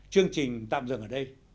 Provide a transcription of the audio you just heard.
chương trình tạm dừng ở đây